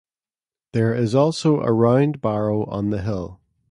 There is also a round barrow on the hill.